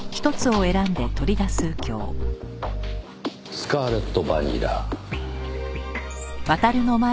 スカーレット・バニラ。